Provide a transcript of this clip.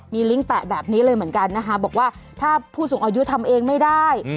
มีลิงก์แปะแบบนี้เลยเหมือนกันนะคะบอกว่าถ้าผู้สูงอายุทำเองไม่ได้